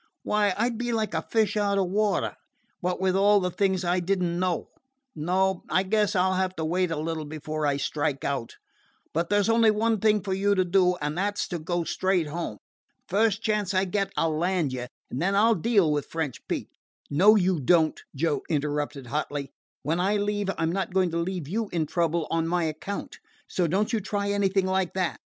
Why, I 'd be like a fish out of water, what with all the things I did n't know. Nope; I guess I 'll have to wait a little before I strike out. But there 's only one thing for you to do, and that 's to go straight home. First chance I get I 'll land you, and then I 'll deal with French Pete " "No, you don't," Joe interrupted hotly. "When I leave I 'm not going to leave you in trouble on my account. So don't you try anything like that.